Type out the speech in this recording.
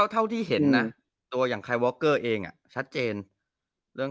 เท่าที่เห็นนะตัวอย่างคายวอคเกอร์เองชัดเจนเรื่อง